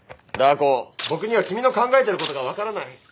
ダー子僕には君の考えてることが分からない。